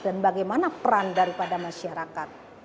dan bagaimana peran daripada masyarakat